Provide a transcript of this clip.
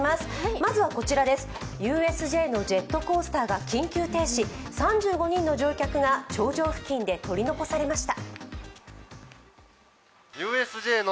まずはＵＳＪのジェットコースターが緊急停止、３５人の乗客が頂上付近で取り残されました。